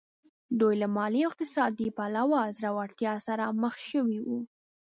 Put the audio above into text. دوی له مالي او اقتصادي پلوه ځوړتیا سره مخ شوي وو